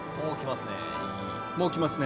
もう来ますね。